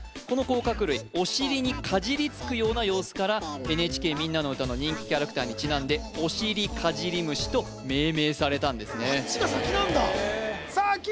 この甲殻類お尻にかじりつくような様子からＮＨＫ「みんなのうた」の人気キャラクターにちなんでオシリカジリムシと命名されたんですねさあ